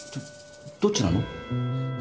どっちなの？